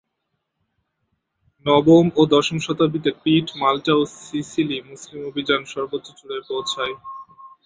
নবম ও দশম শতাব্দীতে ক্রিট, মাল্টা ও সিসিলি মুসলিম অভিযান সর্বোচ্চ চূড়ায় পৌছায়।